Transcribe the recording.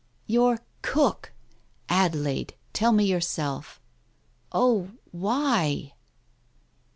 "Your cook! Adelaide, tell me yourself. Oh, why